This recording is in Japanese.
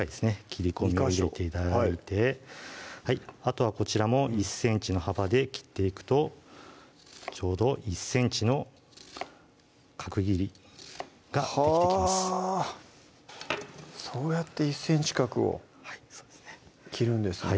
切り込みを入れて頂いてあとはこちらも１ｃｍの幅で切っていくとちょうど１ｃｍの角切りができてきますそうやって１ｃｍ角を切るんですね